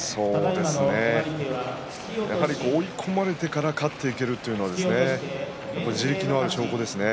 そうですね追い込まれてから勝っていけるというのは地力のある証拠ですね。